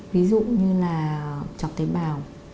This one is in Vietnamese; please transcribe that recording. ví dụ như là chọc tế bào